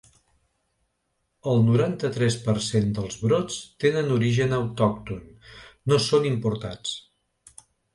El noranta-tres per cent dels brots tenen origen autòcton, no són importats.